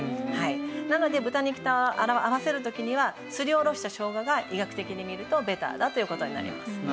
なので豚肉と合わせる時にはすりおろしたしょうがが医学的に見るとベターだという事になります。